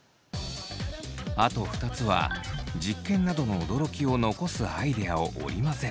あと２つは実験などの驚きを残すアイデアを織り交ぜる。